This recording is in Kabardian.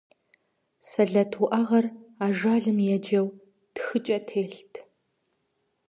Сэлэт уӀэгъэр ажалым еджэу тхыкӀэ телът.